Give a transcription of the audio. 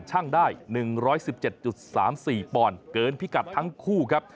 ได้๑๑๗๓๔ปอนด์เกินพิกัดทั้งคู่ครับ